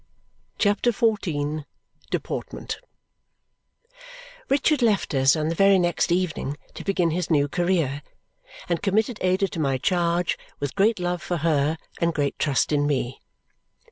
CHAPTER XIV Deportment Richard left us on the very next evening to begin his new career, and committed Ada to my charge with great love for her and great trust in me.